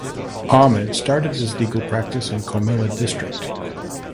Ahmed started his legal practice in Comilla District.